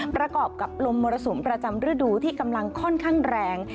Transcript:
ประกอบกับลมมรสุมประจำฤดูที่กำลังค่อนข้างแรง